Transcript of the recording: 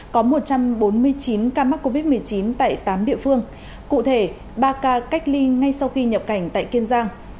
có một trăm bốn mươi chín ca mắc covid một mươi chín tại tám địa phương cụ thể ba ca cách ly ngay sau khi nhập cảnh tại kiên giang